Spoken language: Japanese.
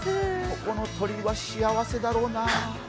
ここの鳥は幸せだろうな。